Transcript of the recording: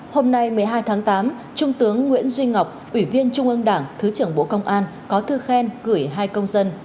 hôm nay một mươi hai tháng tám trung tướng nguyễn duy ngọc ủy viên trung ương đảng thứ trưởng bộ công an có thư khen gửi hai công dân